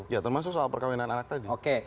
ya termasuk soal perkawinan anak tadi